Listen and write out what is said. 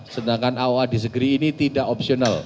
sedangkan aoa disagree ini tidak opsional